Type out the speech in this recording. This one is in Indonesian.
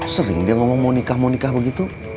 sering dia ngomong mau nikah mau nikah begitu